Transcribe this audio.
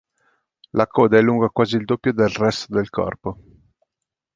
La coda è lunga quasi il doppio del resto del corpo.